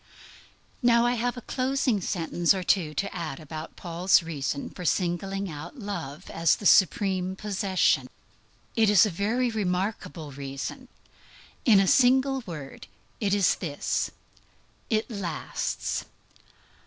Now I have a closing sentence or two to add about Paul's reason for singling out love as the supreme possession. It is a very remarkable reason. In a single word it is this: _it lasts.